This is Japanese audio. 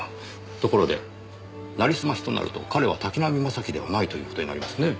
ところでなりすましとなると彼は滝浪正輝ではないという事になりますねぇ。